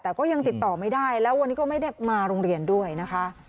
แต่ก็ยังติดต่อไม่ได้แล้ววันนี้ก็ไม่ได้มาโรงเรียนด้วยนะคะ